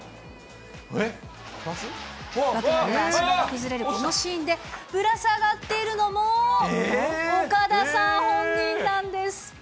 爆破で足場が崩れるこのシーンでぶら下がっているのも岡田さん本人なんです。